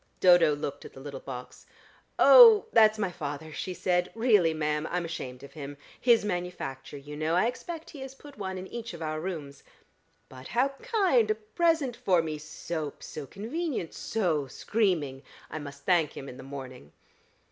Dodo looked at the little box. "Oh, that's my father," she said. "Really, ma'am, I'm ashamed of him. His manufacture, you know. I expect he has put one in each of our rooms." "But how kind! A present for me! Soap! So convenient. So screaming! I must thank him in the morning."